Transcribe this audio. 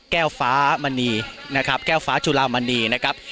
แก้วฟ้ามณีนะครับแก้วฟ้าจุลามณีนะครับ